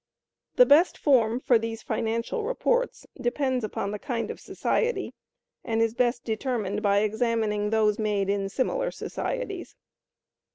The best form for these financial reports depends upon the kind of society, and is best determined by examining those made in similar societies.